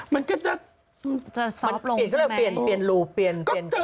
มันก็จะจะซอฟล์ลงดีแม่ปลอมเปลี่ยนรูปเปลี่ยนความ